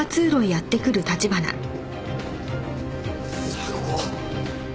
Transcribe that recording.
さあここ！